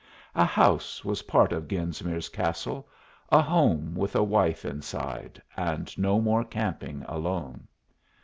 A house was part of Genesmere's castle, a home with a wife inside, and no more camping alone.